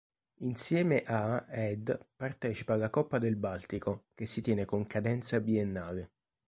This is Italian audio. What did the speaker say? Insieme a ed partecipa alla Coppa del Baltico, che si tiene con cadenza biennale.